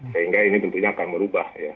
sehingga ini tentunya akan merubah ya